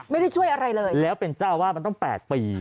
ไม่ได้ช่วยอะไรเลยแล้วเป็นเจ้าอาวาสมันต้อง๘ปี